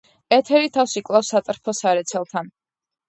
ეთერი თავს იკლავს სატრფოს სარეცელთან.